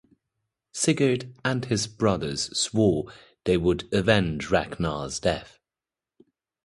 Sigurd and his brothers swore they would avenge Ragnar's death.